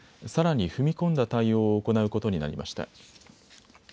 さらに踏み込んだ対応を行うことになりました。